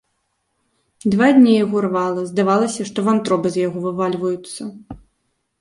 Два дні яго рвала, здавалася, што вантробы з яго вывальваюцца.